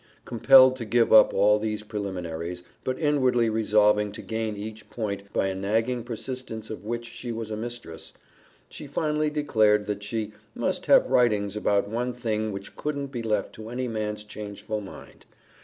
Compelled to give up all these preliminaries, but inwardly resolving to gain each point by a nagging persistence of which she was a mistress, she finally declared that she "must have writings about one thing which couldn't be left to any man's changeful mind.